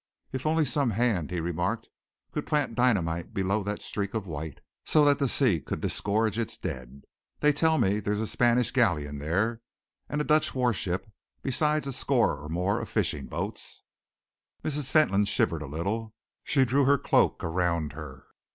"If only some hand," he remarked, "could plant dynamite below that streak of white, so that the sea could disgorge its dead! They tell me there's a Spanish galleon there, and a Dutch warship, besides a score or more of fishing boats." Mrs. Fentolin shivered a little. She drew her cloak around her.